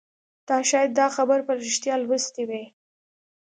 تا شاید دا خبر په ریښتیا لوستی وي